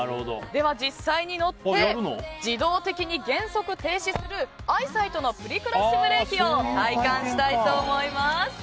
実際に乗って自動的に減速・停止するアイサイトのプリクラッシュブレーキを体感したいと思います。